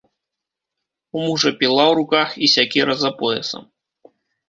У мужа піла ў руках і сякера за поясам.